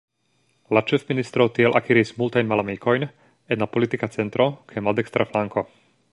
La ĉefministro tiel akiris multajn malamikojn en la politika centro kaj maldekstra flanko.